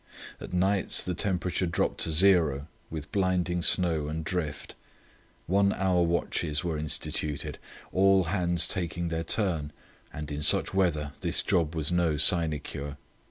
At nights the temperature dropped to zero, with blinding snow and drift. One hour watches were instituted, all hands taking their turn, and in such weather this job was no sinecure.